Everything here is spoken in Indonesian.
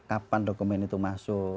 kapan dokumen itu masuk